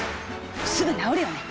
すぐ直るよね。